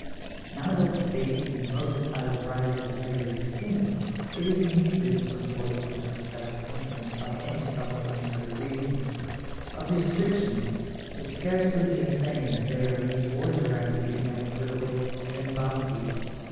Now that the faith in mercantile bribes is nearly extinct, it is need less to enforce this abstract inference by any supplementary reasoning. Of restrictions it scarcely needs saying that they are even more directly inequitable than bounties.